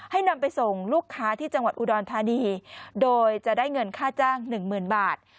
นำไปส่งลูกค้าที่จังหวัดอุดรธานีโดยจะได้เงินค่าจ้างหนึ่งหมื่นบาท